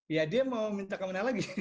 ya dia mau minta kemenang lagi